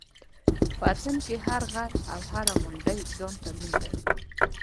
وطن کې هر غر او هره غونډۍ ځان ته نوم لري.